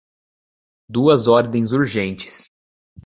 Duas ordens urgentes